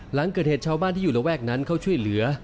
หลังเกิดเหตุชาวบ้านที่อยู่ระแวกนั้นเข้าช่วยเหลือ